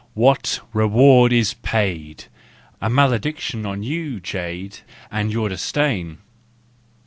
What—reward is paid ?" A malediction on you, jade, And your disdain!